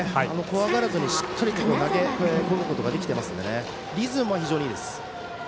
怖がらずにしっかり投げてくることができてますのでリズムは非常にいいです。